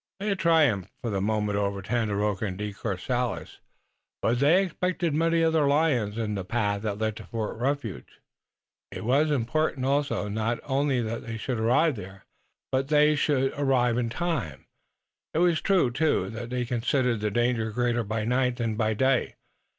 They had triumphed for the moment over Tandakora and De Courcelles, but they expected many other lions in the path that led to Fort Refuge. It was important also, not only that they should arrive there, but that they should arrive in time. It was true, too, that they considered the danger greater by night than by day.